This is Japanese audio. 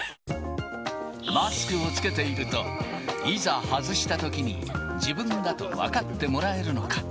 マスクを着けていると、いざ外したときに、自分だと分かってもらえるのか。